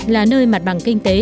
là nơi mặt bằng kinh tế